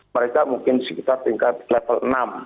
mereka mungkin sekitar tingkat level enam enam tujuh